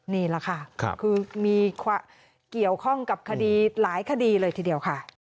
นี่แหละค่ะคือมีเกี่ยวข้องกับคดีหลายคดีเลยทีเดียวค่ะ